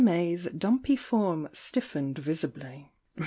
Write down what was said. Mays dumpy form stiffened visibly.